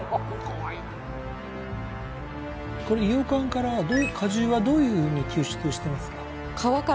これ伊予柑から果汁はどういうふうに抽出してますか？